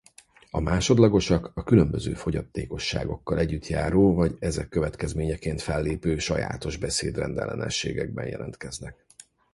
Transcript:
A másodlagosak a különböző fogyatékosságokkal együtt járó vagy ezek következményeként fellépő sajátos beszéd-rendellenességekben jelentkeznek.